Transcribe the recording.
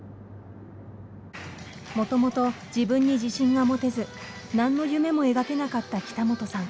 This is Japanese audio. もともと自分に自信が持てず何の夢も描けなかった北本さん。